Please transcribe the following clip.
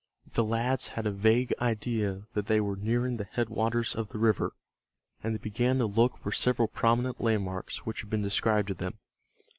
The lads had a vague idea that they were nearing the headwaters of the river, and they began to look for several prominent landmarks which had been described to them.